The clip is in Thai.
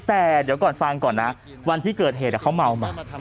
แต่เดี๋ยวก่อนฟังก่อนนะวันที่เกิดเหตุเขาเมามา